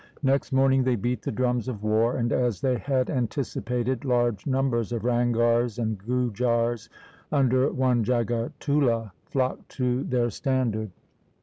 Next morning they beat the drums of war, and, as they had anticipated, large numbers of Ranghars and Gujars under one Jagatullah nocked to their stan dard.